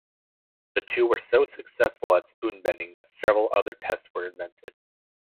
The two were so successful at spoon bending that several other tests were invented.